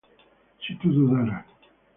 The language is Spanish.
si tu dudaras